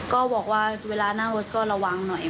ก็บอกว่าเวลานั่งรถก็ระวังหน่อย